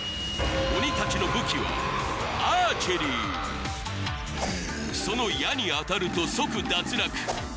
鬼たちの武器はアーチェリーその矢に当たると即脱落